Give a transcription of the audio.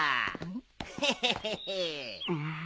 ヘヘヘヘッ。